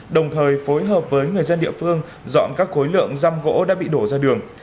đồng thời phối hợp với người dân địa phương dọn các khối lượng răm gỗ đã bị đổ ra đường